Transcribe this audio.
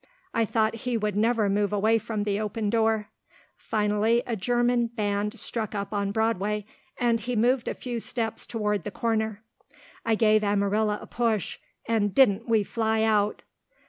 I thought he would never move away from the open door. Finally a German band struck up on Broadway, and he moved a few steps toward the corner. I gave Amarilla a push, and didn't we fly out!